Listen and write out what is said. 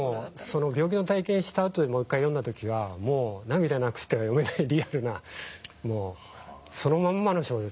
その病気の体験したあとでもう一回読んだ時は涙なくしては読めないリアルなもうそのまんまの小説ですね。